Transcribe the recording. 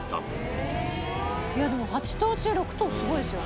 いやでも８頭中６頭すごいですよね。